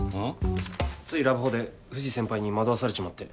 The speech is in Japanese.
ついラブホで藤先輩に惑わされちまって。